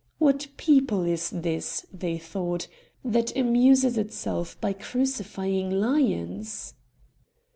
"What people is this," they thought, "that amuses itself by crucifying lions!"